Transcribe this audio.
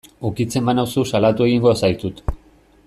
Ukitzen banauzu salatu egingo zaitut.